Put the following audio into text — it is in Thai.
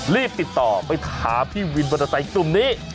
รีบติดต่อไปหาพี่วินบรรทัยกลุ่มนี้